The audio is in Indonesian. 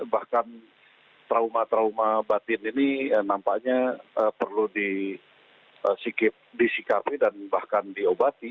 bahkan trauma trauma batin ini nampaknya perlu disikapi dan bahkan diobati